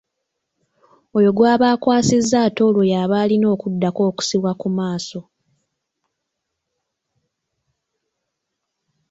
Oyo gw’aba akwasizza ate olwo y’aba alina okuddako okusibibwa ku maaso.